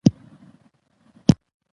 په ډېرې غوسې او قهر سره یې بهلول ته وویل.